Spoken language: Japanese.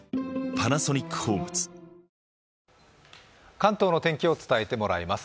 関東の天気を伝えてもらいます。